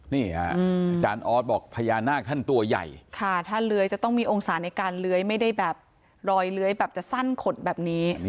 นี่ฮะอาจารย์ออสบอกพญานาคท่านตัวใหญ่ค่ะถ้าเลื้อยจะต้องมีองศาในการเลื้อยไม่ได้แบบรอยเลื้อยแบบจะสั้นขดแบบนี้